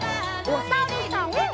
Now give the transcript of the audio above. おさるさん。